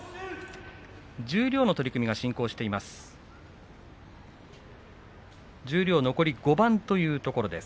十両の取組が進行しています。